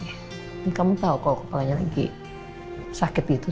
ini kamu tahu kalau kepalanya lagi sakit gitu